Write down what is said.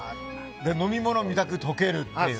飲み物みたく溶けるっていう？